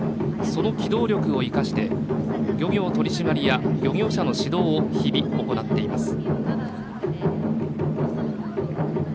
その機動力を生かして漁業取り締まりや漁業者の指導を日々行っています。